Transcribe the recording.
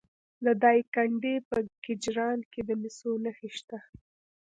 د دایکنډي په کجران کې د مسو نښې شته.